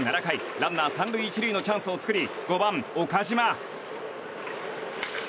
ランナー３塁１塁のチャンスを作り５番、岡島。